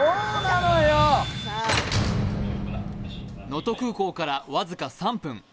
能登空港から僅か３分。